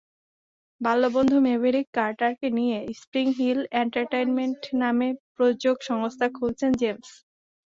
বাল্যবন্ধু Maverick কার্টারকে নিয়ে Spring Hill Entertainment নামে প্রযোজক সংস্থা খুলেছেন জেমস।